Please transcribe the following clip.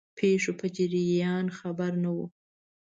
پیښو په جریان خبر نه وو.